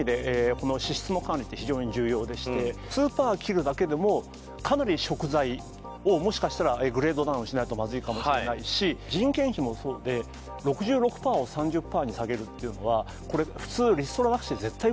この支出の管理って非常に重要でして数％切るだけでもかなり食材をもしかしたらグレードダウンしないとまずいかもしれないし人件費もそうで６６％を３０％に下げるっていうのはこれ普通うん